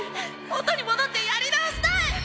元にもどってやり直したい。